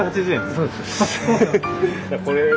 そうです。